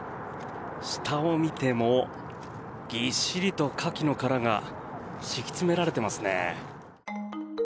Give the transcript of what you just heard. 下を見てもぎっしりとカキの殻が敷き詰められていますね。